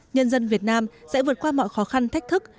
nhân dân việt nam sẽ vượt qua mọi khó khăn thách thức